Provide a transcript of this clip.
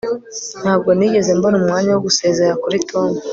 ntabwo nigeze mbona umwanya wo gusezera kuri tom